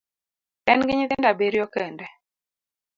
En gi nyithindo abiriyo kende